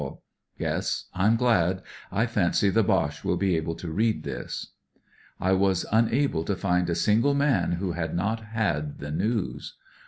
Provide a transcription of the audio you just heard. Yes, I'm glad. I fancy the Boche will be able to read this." I was unable to find a single man who had not had the news.